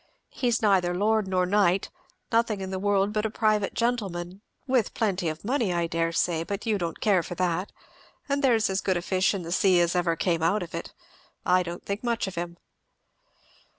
He's neither lord nor knight nothing in the world but a private gentleman, with plenty of money I dare say, but you don't care for that; and there's as good fish in the sea as ever came out of it. I don't think much of him!"